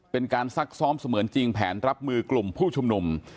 เป็นการซักซ้อมเสมือนจริงแผนรับมือกลุ่มผู้ชมหนุ่ม